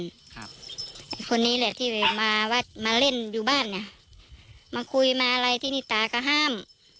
ไอ้คนนี้แหละที่มาว่ามาเล่นอยู่บ้านไงมาคุยมาอะไรที่นี่ตาก็ห้าม